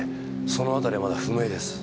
そのあたりはまだ不明です。